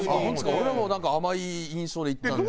俺らは甘い印象でいったんで。